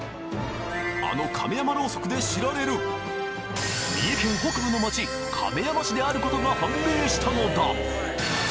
あのカメヤマローソクで知られる三重県北部の町亀山市であることが判明したのだ！